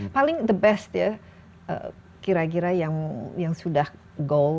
paling the best ya kira kira yang sudah goal